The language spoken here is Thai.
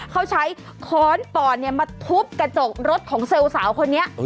เค้าใช้ข้อนปอนด์เนี่ยมาทุบกระจกรถของเซวสาวคนนี้